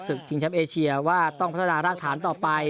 ชิงแชมป์เอเชียว่าต้องพัฒนารากฐานต่อไป